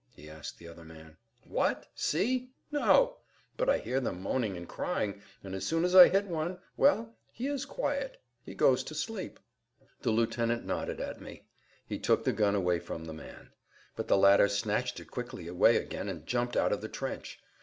he asked the other man. "What? See? No; but I hear them moaning and crying, and as soon as I hit one—well, he is quiet, he goes to sleep—" The lieutenant nodded at me. He took the gun away from the man. But the latter snatched it quickly away again and jumped out of the trench.